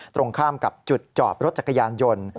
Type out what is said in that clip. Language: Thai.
ตรงข้ามกับจุดจอบรถจักรยานยนต์